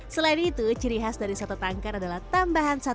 selain itu ciri khas dari soto tangkar adalah tambahan sate